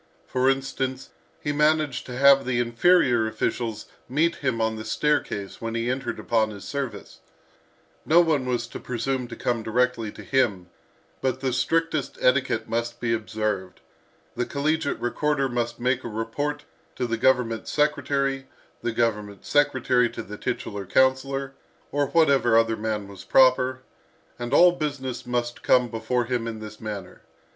For instance, he managed to have the inferior officials meet him on the staircase when he entered upon his service; no one was to presume to come directly to him, but the strictest etiquette must be observed; the collegiate recorder must make a report to the government secretary, the government secretary to the titular councillor, or whatever other man was proper, and all business must come before him in this manner.